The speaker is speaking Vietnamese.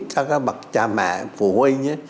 các bậc cha mẹ phụ huynh